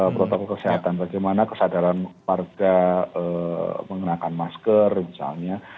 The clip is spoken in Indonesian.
protokol kesehatan bagaimana kesadaran warga mengenakan masker misalnya